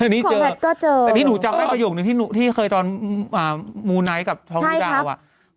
นี่เจอแต่นี่หนูจำได้ประโยคนึงที่เคยตอนมูลไนท์กับท้อคทะลุดาวอ่ะใช่ครับ